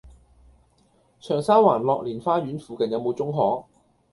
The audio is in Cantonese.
長沙灣樂年花園附近有無中學？